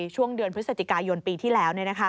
ช่วงเดือนพฤศจิกายนปีที่แล้วเนี่ยนะคะ